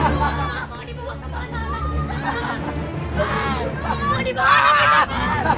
dari mana bapak